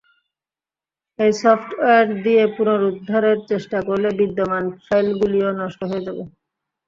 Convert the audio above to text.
এই সফ্টওয়্যার দিয়ে পুনরুদ্ধারের চেষ্টা করলে বিদ্যমান ফাইলগুলিও নষ্ট হয়ে যাবে।